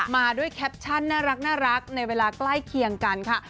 มาด้วยแคปชั่นน่ารักในเวลาใกล้เคียงกันค่ะ